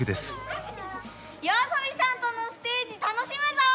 ＹＯＡＳＯＢＩさんとのステージ楽しむぞ！